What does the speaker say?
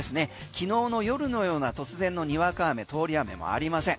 昨日の夜のような突然のにわか雨通り雨もありません。